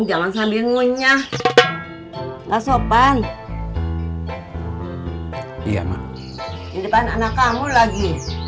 di depan anak kamu lagi